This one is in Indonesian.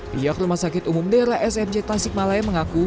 pihak rumah sakit umum daerah smc tasik malaya mengaku